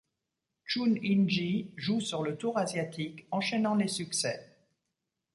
Chun In-gee joue sur le tour asiatique, enchaînant les succès.